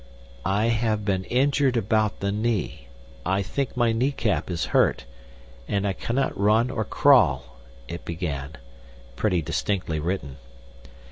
"I have been injured about the knee, I think my kneecap is hurt, and I cannot run or crawl," it began—pretty distinctly written.